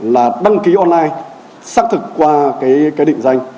là đăng ký online xác thực qua cái định danh